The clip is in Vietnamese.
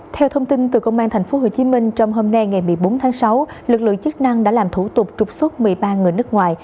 theo thông tin từ công an tp hcm trong hôm nay ngày một mươi bốn tháng sáu lực lượng chức năng đã làm thủ tục trục xuất một mươi ba người nước ngoài